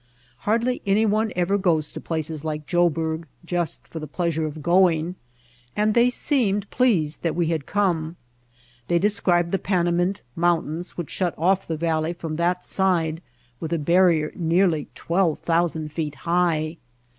Hardly any one ever goes to places like Joburg just for the pleasure of going, and they seemed pleased that we had come. They described the Panamint Mountains which shut off the valley from that side with a barrier nearly 12,000 feet high.